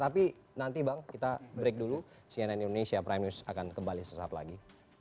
tapi nanti bang kita break dulu cnn indonesia prime news akan kembali sesaat lagi